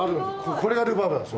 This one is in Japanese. これがルバーブなんですよ。